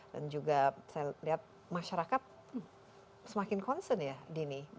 dan juga saya lihat masyarakat semakin concern ya dini